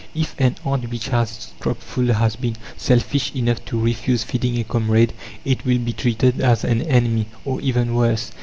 If an ant which has its crop full has been selfish enough to refuse feeding a comrade, it will be treated as an enemy, or even worse.